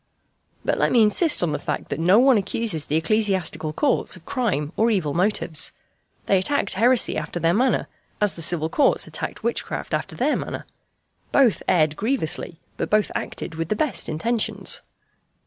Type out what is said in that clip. But let me insist on the fact that no one accuses the ecclesiastical courts of crime or evil motives. They attacked heresy after their manner, as the civil courts attacked witchcraft after their manner. Both erred grievously, but both acted with the best intentions.